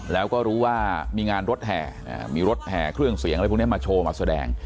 แล้วก็รู้ว่ามีงานรถแห่มีรถแห่เครื่องเสียงอะไรพวกนี้มาโชว์มาแสดง